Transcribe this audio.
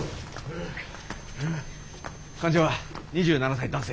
患者は２７歳男性。